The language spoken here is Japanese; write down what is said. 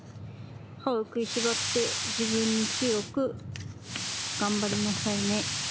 歯をくいしばって自分に強くがんばりなさいね。